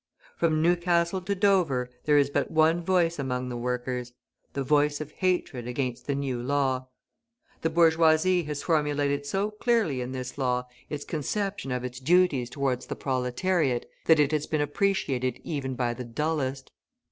From Newcastle to Dover, there is but one voice among the workers the voice of hatred against the new law. The bourgeoisie has formulated so clearly in this law its conception of its duties towards the proletariat, that it has been appreciated even by the dullest.